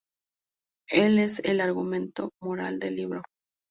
Él es el argumento moral del libro.